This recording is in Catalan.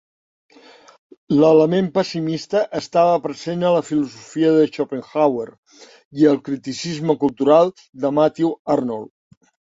L'element pessimista estava present a la filosofia de Schopenhauer i al criticisme cultural de Matthew Arnold.